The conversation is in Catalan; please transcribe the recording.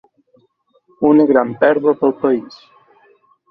Una gran pèrdua pel país.